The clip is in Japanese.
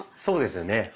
そうですよね。